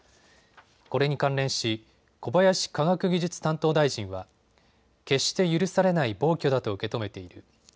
これに関連し小林科学技術担当大臣は決して許されない暴挙だと受け止めている。